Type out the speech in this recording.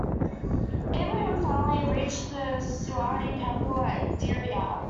Ibrahim finally reached the Saudi capital at Diriyah.